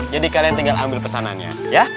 jadi kalian tinggal ambil pesanannya